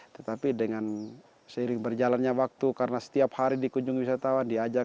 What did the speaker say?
tetapi dengan seiring berjalannya waktu karena setiap hari dikunjungi wisatawan diajak